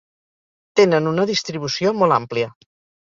Tenen una distribució molt àmplia.